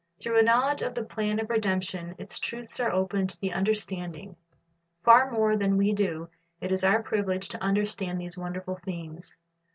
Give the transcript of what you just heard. Through a knowledge of the plan of redemption, its truths are opened to the understanding. Far more than we do, it is our privilege to understand these wonderful themes.